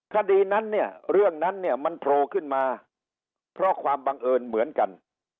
คดีนั้นเนี่ยเรื่องนั้นเนี่ยมันโผล่ขึ้นมาเพราะความบังเอิญเหมือนกัน